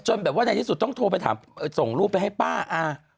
แบบว่าในที่สุดต้องโทรไปถามส่งรูปไปให้ป้า